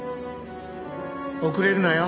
「遅れるなよ」